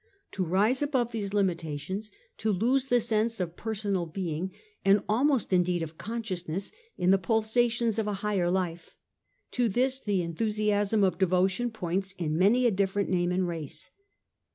To rise above these limitations, to lose ^ the sense ot personal being, and almost in of ecstatic deed of consciousness, in the pulsations of a higher life — to this the enthusiasm of devotion points in many a different name and race.